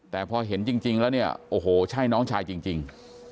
แต่พอเห็นจริงแล้วเนี่ยโอ้โหใช่น้องชายจริง